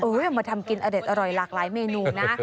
มาทำกินอเด็ดอร่อยหลากหลายเมนูนะ